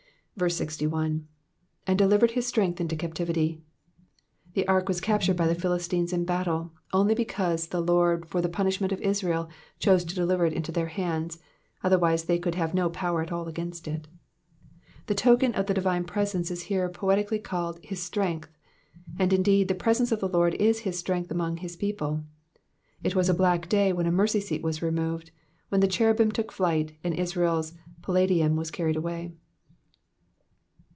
61. '^And delivered his strength into captivity.'''* The ark was captured by the Philistines in battle, only because the Lord for tlie punishment of Israel chose to deliver it into their hands, otherwise they could have had no power at all against it. The token of the divine presence is here poetically called *•*' his strength ;" and, indeed, the presence of the Lord is bis strength among his people. It was a black day when the mercy seat was removed, when the cherubim took flight, and Israel's palladium was carried away.